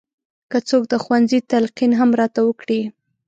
که څوک د ښوونځي تلقین هم راته وکړي.